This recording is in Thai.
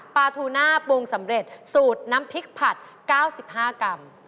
ปูทูน่าปรุงสำเร็จสูตรน้ำพริกผัด๙๕กรัม